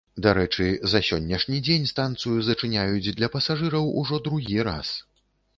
Дарэчы, за сённяшні дзень станцыю зачыняюць для пасажыраў ужо другі раз.